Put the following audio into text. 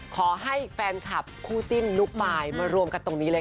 ขอให้แฟนคลับคู่จิ้นลูกมายมารวมกันตรงนี้เลยค่ะ